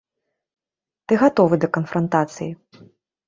Ты гатовы да канфрантацыі.